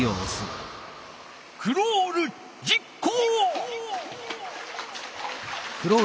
クロール実行！